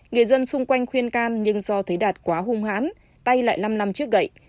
người dân xung quanh khuyên can nhưng do thấy đạt quá hung hãn tay lại năm năm trước gậy